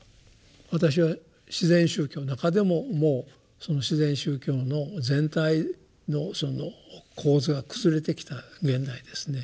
私は自然宗教の中でももう自然宗教の全体のその構図が崩れてきた現代ですね。